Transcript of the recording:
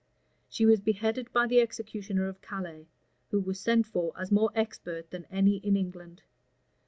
[*] She was beheaded by the executioner of Calais, who was sent for as more expert than any in England.